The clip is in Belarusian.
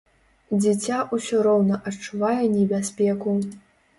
Дзіця ўсё роўна адчувае небяспеку.